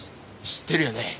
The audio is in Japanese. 知ってるよね？